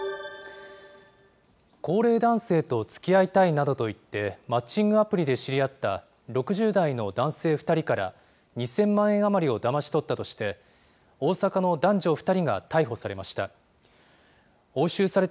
高齢男性とつきあいたいなどと言って、マッチングアプリで知り合った６０代の男性２人から、２０００万円余りをだまし取ったとして、大阪の男女２人が逮捕されました。